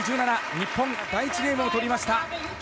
日本、第１ゲームを取りました。